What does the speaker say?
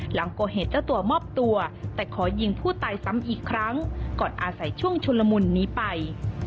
หลังก่อเหตุเจ้าตัวมอบตัวแต่ขอยิงผู้ตายซ้ำอีกครั้งก่อนอาศัยช่วงชุนละมุนนี้ไป